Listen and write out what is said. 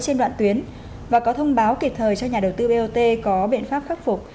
trên đoạn tuyến và có thông báo kịp thời cho nhà đầu tư bot có biện pháp khắc phục